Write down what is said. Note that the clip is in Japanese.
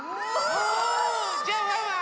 じゃあワンワン